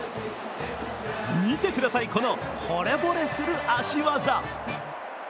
見てください、このほれぼれする足技。